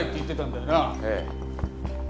ええ。